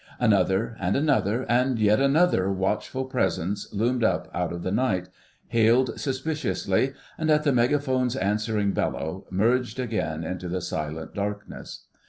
Another, and another, and yet another watchful Presence loomed up out of the night, hailed suspiciously, and, at the megaphone's answering bellow, merged again into the silent darkness.